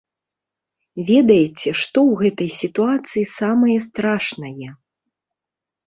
Ведаеце, што ў гэтай сітуацыі самае страшнае?